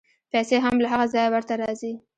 پیسې هم له هغه ځایه ورته راځي.